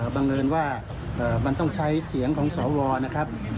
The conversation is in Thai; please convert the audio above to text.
บังเอิญว่ามันต้องใช้เสียงของสวนะครับ